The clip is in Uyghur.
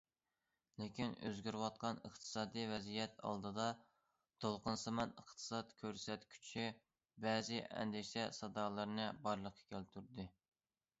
لېكىن ئۆزگىرىۋاتقان ئىقتىسادىي ۋەزىيەت ئالدىدا، دولقۇنسىمان ئىقتىساد كۆرسەتكۈچى بەزى ئەندىشە سادالىرىنى بارلىققا كەلتۈردى.